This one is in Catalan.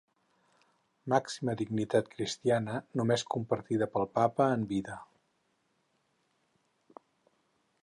Màxima dignitat cristiana, només compartida pel Papa en vida.